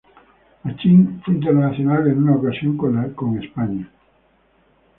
Machín fue internacional en una ocasión con la España.